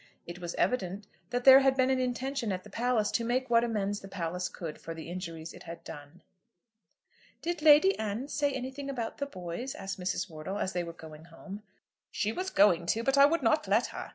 It was evident that there had been an intention at the palace to make what amends the palace could for the injuries it had done. "Did Lady Anne say anything about the boys?" asked Mrs. Wortle, as they were going home. "She was going to, but I would not let her.